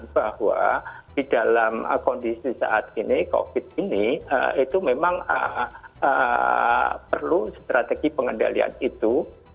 bahwa di dalam kondisi saat ini covid ini itu memang perlu strategi pengendalian itu